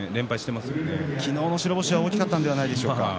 昨日の白星は大きかったんじゃないですか。